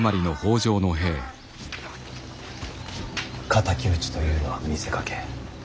敵討ちというのは見せかけ。